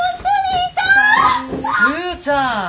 スーちゃん！